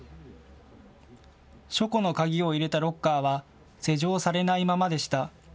書庫の鍵を入れたロッカーは施錠されないままでした。